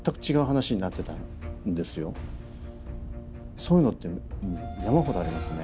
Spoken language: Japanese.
そういうのって山ほどありますね。